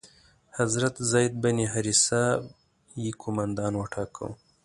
حضرت زید بن حارثه یې قومندان وټاکه.